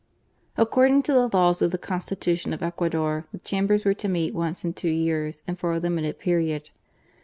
According to the laws of the Constitution of Ecuador, the Chambers were to meet once in two years and for a limited period.